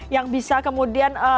yang bisa kemudian